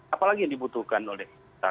apalagi yang dibutuhkan oleh kita